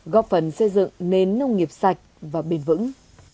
góp phần xây dựng nền nông nghiệp sạch và bền vững